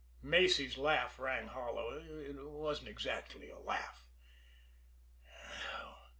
Macy's laugh rang hollow it wasn't exactly a laugh.